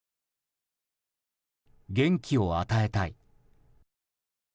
元気を与えたい。